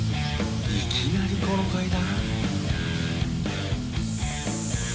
いきなりこの階段？